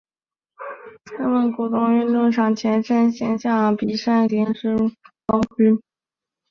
城门谷运动场前身为象鼻山临时房屋区。